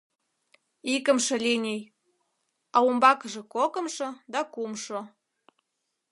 — Икымше линий... а умбакыже кокымшо да кумшо...